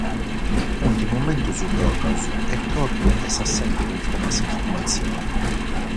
Sunt momentos tortos e tortu est s'assentu cunforma a s'informatzione.